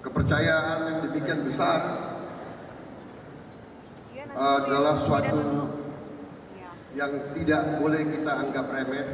kepercayaan yang demikian besar adalah suatu yang tidak boleh kita anggap remeh